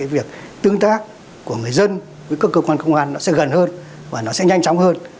việc tương tác của người dân với các cơ quan công an sẽ gần hơn và nó sẽ nhanh chóng hơn